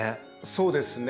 そうですね。